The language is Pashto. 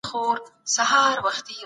دا دروند نه دئ.